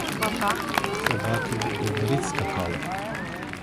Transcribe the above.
Собаки до воріт скакали.